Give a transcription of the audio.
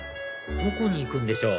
どこに行くんでしょう？